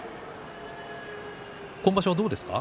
今場所は、どうですか？